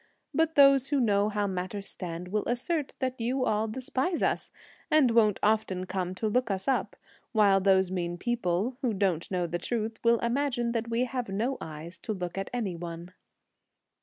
But those who know how matters stand will assert that you all despise us, and won't often come to look us up; while those mean people, who don't know the truth, will imagine that we have no eyes to look at any one."